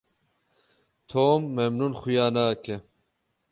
Tom memnûn xuya nake.